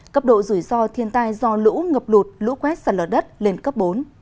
cấp độ rủi ro thiên tai do lũ ngập lụt lũ quét sạt lở đất lên cấp bốn